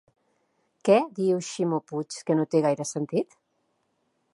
Què diu Ximo Puig que no té gaire sentit?